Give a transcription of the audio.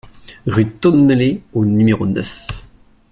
Rue Tonnellé au numéro neuf